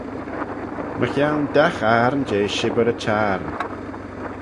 Mychione dagh ayrn jeh shibbyr y Çhiarn.